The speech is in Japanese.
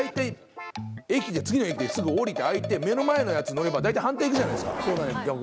駅で次の駅ですぐ降りて開いて目の前のやつ乗れば大体反対行くじゃないですか。